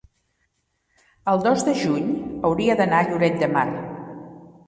el dos de juny hauria d'anar a Lloret de Mar.